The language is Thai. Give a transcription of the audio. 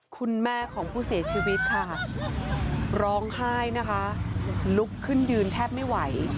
คุณแม่ของผู้เสียชีวิตค่ะร้องไห้นะคะลุกขึ้นยืนแทบไม่ไหว